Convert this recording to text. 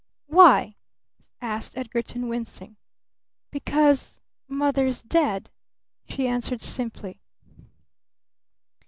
"Why?" asked Edgarton, wincing. "Because Mother's dead," she answered simply.